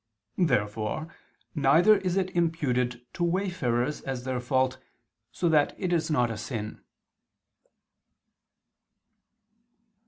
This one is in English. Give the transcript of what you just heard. Therefore neither is it imputed to wayfarers as their fault, so that it is not a sin.